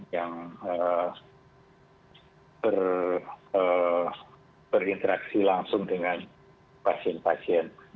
yang berinteraksi langsung dengan pasien pasien